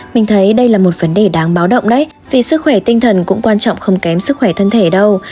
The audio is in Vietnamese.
mình thấy đây là một vấn đề đáng báo động đấy vì sức khỏe tinh thần cũng quan trọng không kém sức khỏe thân thể đâu